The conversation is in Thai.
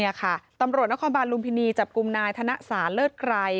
นี่ค่ะตำรวจนครบาลลุมพินีจับกลุ่มนายธนสารเลิศไกร